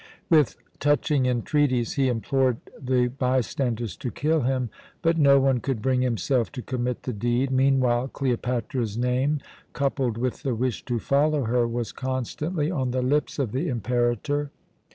With touching entreaties he implored the bystanders to kill him, but no one could bring himself to commit the deed. Meanwhile Cleopatra's name, coupled with the wish to follow her, was constantly on the lips of the Imperator.